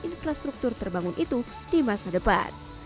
infrastruktur terbangun itu di masa depan